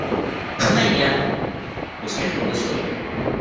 – Понятно! – усмехнулась Ольга.